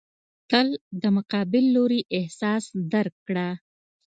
تل د مقابل لوري احساس درک کړه.